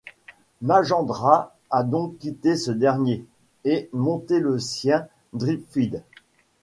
Majandra a donc quitté ce dernier et monté le sien: Dripfeed.